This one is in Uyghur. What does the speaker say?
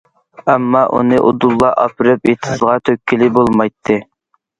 ئەمما ئۇنى ئۇدۇللا ئاپىرىپ ئېتىزغا تۆككىلى بولمايتتى.